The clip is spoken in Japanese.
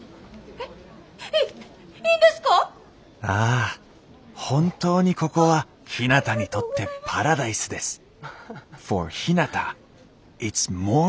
ああ本当にここはひなたにとってパラダイスです。